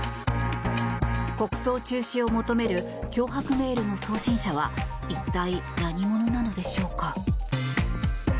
国葬中止を求める脅迫メールの送信者は一体、何者なのでしょうか。